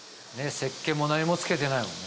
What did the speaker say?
せっけんも何も付けてないもんね。